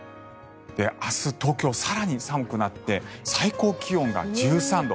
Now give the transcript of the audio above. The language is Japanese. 明日、東京、更に寒くなって最高気温が１３度。